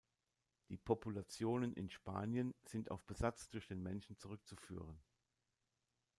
Die Populationen in Spanien sind auf Besatz durch den Menschen zurückzuführen.